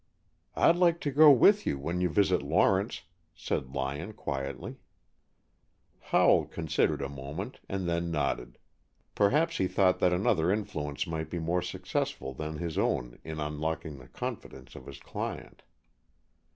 "I'd like to go with you, when you visit Lawrence," said Lyon, quietly. Howell considered a moment, and then nodded. Perhaps he thought that another influence might be more successful than his own in unlocking the confidence of his client.